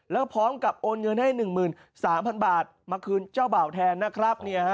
แล้วพร้อมกับโอนเงินให้๑๓๐๐๐บาทมาคืนเจ้าบ่าวแทนนะครับ